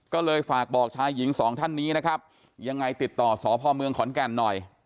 ก็เลยฝากบอกชายหญิงสองท่านนี้นะครับยังไงติดต่อสพเมืองขอนแก่นหน่อย